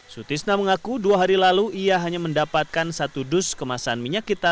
sutisna mengaku dua hari lalu ia hanya mendapatkan satu dus kemasan minyak kita